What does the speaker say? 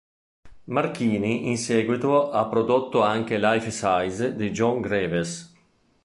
Marchini in seguito ha prodotto anche "Life Size" di John Greaves.